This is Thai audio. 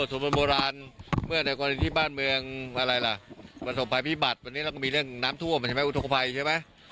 ท่านแม่งน้ำทั่วมันใช่ไหมอุธกภัยใช่ไหม